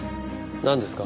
なんですか？